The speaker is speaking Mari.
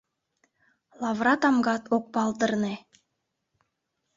Лавыра тамгат ок палдырне.